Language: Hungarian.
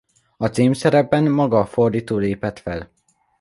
A címszerepben maga a fordító lépett fel.